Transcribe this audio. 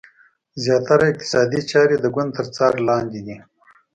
زیاتره اقتصادي چارې د ګوند تر څار لاندې دي.